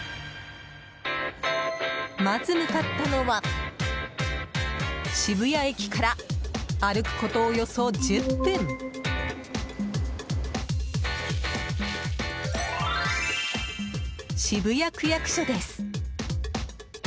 まず向かったのは渋谷駅から歩くことおよそ１０分渋谷区役所です。